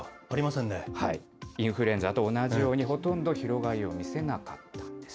インフルエンザと同じように、ほとんど広がりを見せなかったんです。